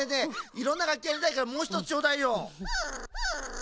いろんながっきやりたいからもうひとつちょうだいよ。